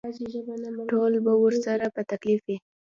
ټول به ورسره په تکلیف وي.